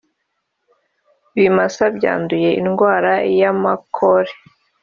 Ibimasa byanduye indwara y’amakore